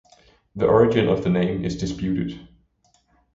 The origin of the name is disputed.